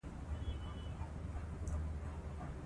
انګریزي افسر خولۍ ایسته کړې ده.